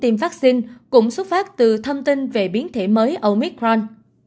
tiêm vaccine cũng xuất phát từ thông tin về biến thể mới omicron